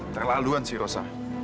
terlaluan sih rosa